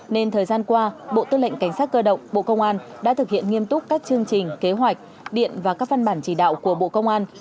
nên thời gian qua bộ tư lệnh cảnh sát cơ động bộ công an đã thực hiện nghiêm túc các chương trình kế hoạch điện và các văn bản chỉ đạo của bộ công an